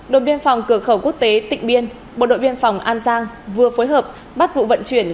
đồn biên phòng cửa khẩu quốc tế tịnh biên bộ đội biên phòng an giang vừa phối hợp bắt vụ vận chuyển